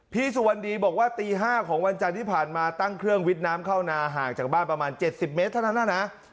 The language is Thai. พี่สุวรรณดีบอกว่าตี๕ของวันจันทร์ที่ผ่านมาตั้งเครื่องวิทย์น้ำเข้านาห่างจากบ้านประมาณ๗๐เมตรเท่านั้นนะ